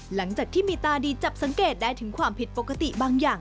หลังจากที่มีตาดีจับสังเกตได้ถึงความผิดปกติบางอย่าง